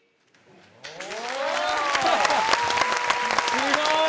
すごい！